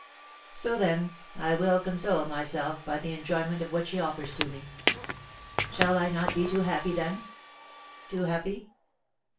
So, then, I will console myself by the enjoyment of what she offers to me. Shall I not be too happy then? too happy?